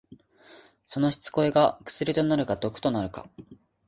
その失恋が薬となるか毒となるか。